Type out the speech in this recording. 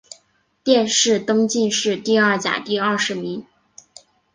殿试登进士第二甲第二十名。